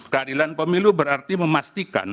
keadilan pemilu berarti memastikan